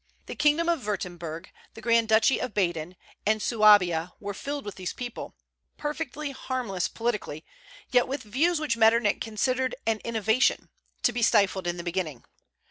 The Kingdom of Würtemberg, the Grand Duchy of Baden, and Suabia were filled with these people, perfectly harmless politically, yet with views which Metternich considered an innovation, to be stifled in the beginning.